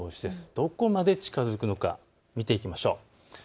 どこまで近づくのか見ていきましょう。